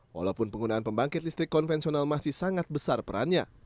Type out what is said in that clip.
walaupun penggunaan pembangkit listrik konvensional masih sangat besar perannya